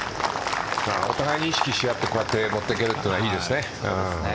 お互いに意識し合って乗ってけるというのはいいですね。